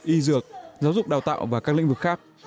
y dược giáo dục đào tạo và các lĩnh vực khác